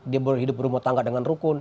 dia hidup berumah tangga dengan rukun